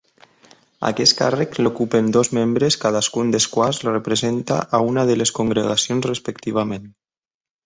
Aquest càrrec l'ocupen dos membres, cadascun dels quals representa a una de les congregacions respectivament.